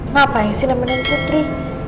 ngapain sih nemenin putri